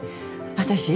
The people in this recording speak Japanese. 私？